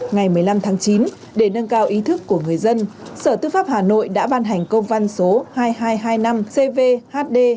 ngày một mươi năm tháng chín để nâng cao ý thức của người dân sở tư pháp hà nội đã ban hành công văn số hai nghìn hai trăm hai mươi năm cvhd